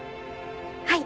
はい！